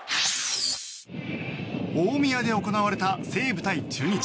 大宮で行われた西武対中日。